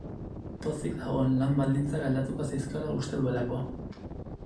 Pozik dago, lan baldintzak aldatuko zaizkiola uste duelako.